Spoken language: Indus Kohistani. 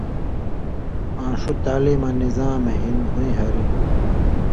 آں ݜُو تعلیماں نظام ہِن ہُویں ہریۡ